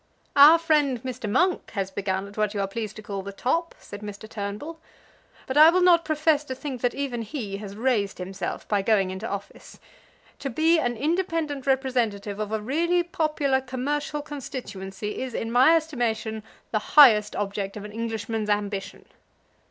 "Our friend Mr. Monk has begun at what you are pleased to call the top," said Mr. Turnbull. "But I will not profess to think that even he has raised himself by going into office. To be an independent representative of a really popular commercial constituency is, in my estimation, the highest object of an Englishman's ambition."